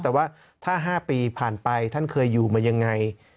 แต่ว่าถ้า๕ปีผ่านไปท่านเคยอยู่มายังไง